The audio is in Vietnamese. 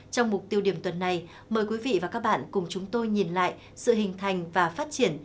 trong mục tiêu điểm tuần này mời quý vị và các bạn cùng chúng tôi nhìn lại sự hình thành và phát triển